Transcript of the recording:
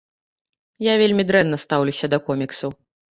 Я вельмі дрэнна стаўлюся да коміксаў.